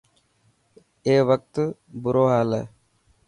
اي وقت برو هال هي.